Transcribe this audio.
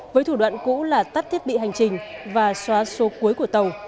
với thủ đoạn cũ là tắt thiết bị hành trình và xóa số cuối của tàu